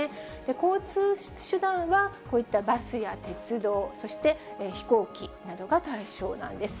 交通手段はこういったバスや鉄道、そして飛行機などが対象なんです。